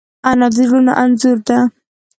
انا د زړونو انځور ده